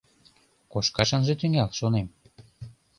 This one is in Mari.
— Кошкаш ынже тӱҥал, шонем.